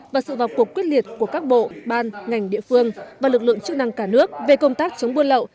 và sự vào cuộc quyết liệt của các bộ ban ngành địa phương và lực lượng chức năng cả nước về công tác chống buôn lậu